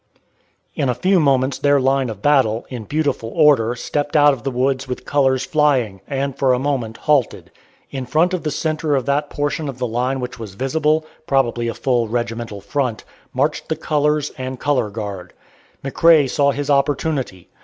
In a few moments their line of battle, in beautiful order, stepped out of the woods with colors flying, and for a moment halted. In front of the centre of that portion of the line which was visible probably a full regimental front marched the colors, and color guard. McRae saw his opportunity.